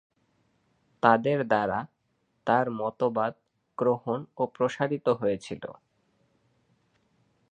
তাদের দ্বারা তাঁর মতবাদ গ্রহণ ও প্রসারিত হয়েছিল।